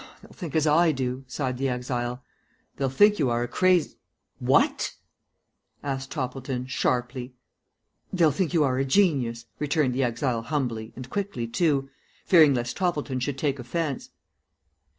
"They'll think as I do," sighed the exile. "They'll think you are a craz " "What?" asked Toppleton, sharply. "They'll think you are a genius," returned the exile humbly and quickly too, fearing lest Toppleton should take offence.